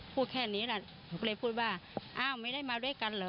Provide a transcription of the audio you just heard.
พูดแค่นี้แหละผมก็เลยพูดว่าอ้าวไม่ได้มาด้วยกันเหรอ